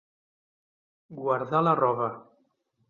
Guardar la roba.